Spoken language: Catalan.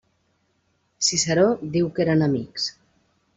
Ciceró diu que eren amics.